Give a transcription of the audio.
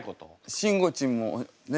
しんごちんもね